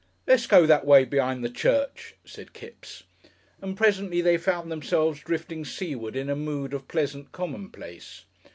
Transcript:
"Let's go that way be'ind the church," said Kipps, and presently they found themselves drifting seaward in a mood of pleasant commonplace.